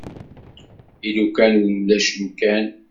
I lukan ulac lukan?